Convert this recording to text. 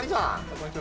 こんにちは。